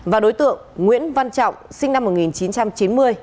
và đối tượng nguyễn văn trọng sinh năm một nghìn chín trăm chín mươi